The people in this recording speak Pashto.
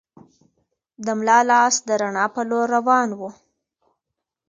د ملا لاس د رڼا په لور روان و.